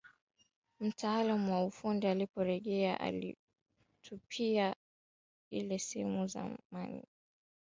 Mtaalamu wa ufundi aliporejea aliitupia ile simu mezani